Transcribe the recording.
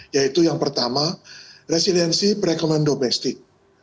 yaitu yang pertama resiliensi perekonomian domestik